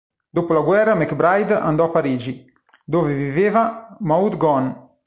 Dopo la guerra MacBride andò a Parigi, dove viveva Maud Gonne.